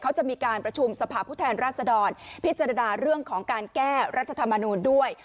เขาจะมีการประชุมสภาพผู้แทนราชดรพิจารณาเรื่องของการแก้รัฐธรรมนูลด้วย